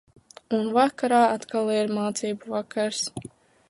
Un vakarā atkal ir mācību vakars.